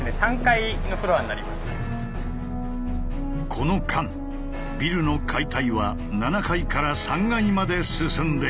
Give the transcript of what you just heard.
この間ビルの解体は７階から３階まで進んでいた。